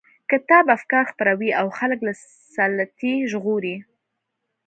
کتاب افکار خپروي او خلک له سلطې ژغوري.